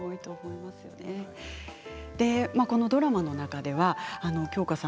このドラマの中では京香さん